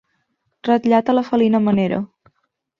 Ratllat a la felina manera.